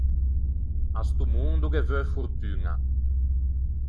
À sto mondo ghe veu fortuña.